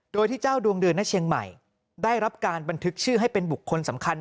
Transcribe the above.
โดยที่เจ้าดวงเดือนหน้าเชียงใหม่ได้รับการบันทึกชื่อให้เป็นบุคคลสำคัญ